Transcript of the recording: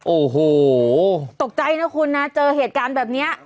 โอ้โหตกใจนะคุณนะเจอเหตุการณ์แบบนี้